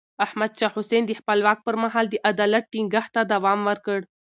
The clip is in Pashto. احمد شاه حسين د خپل واک پر مهال د عدالت ټينګښت ته دوام ورکړ.